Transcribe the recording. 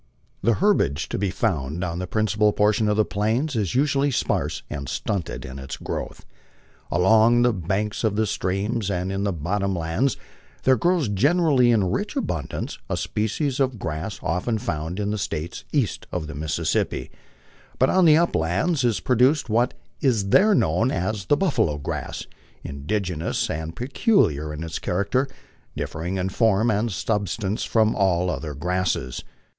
The herbage to be found on the principal portion of the Plains is usually sparse and stunted in its growth. Along the banks of the streams and in th6 bottom lands there grows generally in rich abundance a species of grass often found in the States east of the Mississippi ; but on the uplands is produced what is there known as the " buffalo grass," indigenous and peculiar in its character, differing in form and substance from all other grasses.